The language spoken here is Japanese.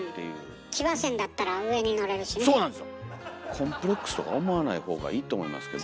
コンプレックスとか思わないほうがいいと思いますけど。